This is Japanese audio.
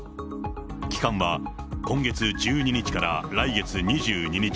期間は今月１２日から来月２２日。